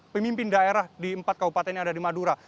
pemimpin daerah di empat kabupaten yang ada di madura